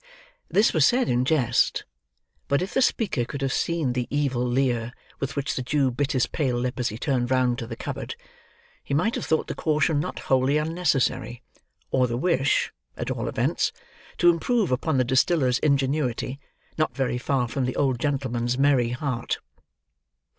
This was said in jest; but if the speaker could have seen the evil leer with which the Jew bit his pale lip as he turned round to the cupboard, he might have thought the caution not wholly unnecessary, or the wish (at all events) to improve upon the distiller's ingenuity not very far from the old gentleman's merry heart.